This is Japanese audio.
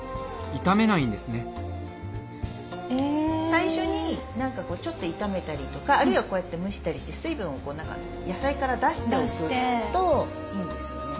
最初にちょっと炒めたりとかあるいはこうやって蒸したりして水分を野菜から出しておくといいんですよね。